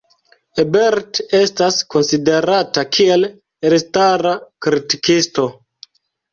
Ebert estas konsiderata kiel elstara kritikisto.